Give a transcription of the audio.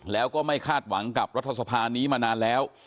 แล้วก็ไม่คาดหวังกับรัฐสภานี้มานานแล้ว